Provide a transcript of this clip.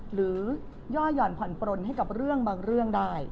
ย่อห่อนผ่อนปลนให้กับเรื่องบางเรื่องได้